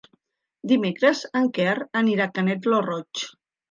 Dimecres en Quer anirà a Canet lo Roig.